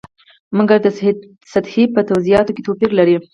مګر د سطحې په توضیحاتو کې توپیر لري.